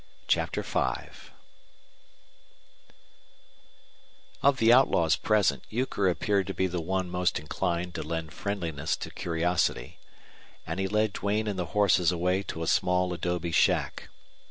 CHAPTER V Of the outlaws present Euchre appeared to be the one most inclined to lend friendliness to curiosity; and he led Duane and the horses away to a small adobe shack.